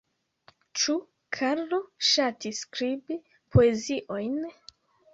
Ĉu Karlo ŝatis skribi poeziojn?